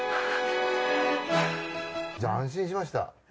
じゃあ安心しました。